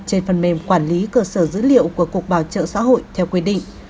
trên phần mềm quản lý cơ sở dữ liệu của cục bảo trợ xã hội theo quy định